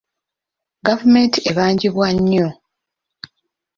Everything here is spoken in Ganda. Gavumenti ebaangibwa nnyo.